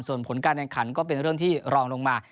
ส่วนผลการแข่งขันก็เป็นเรื่องที่รองลงมา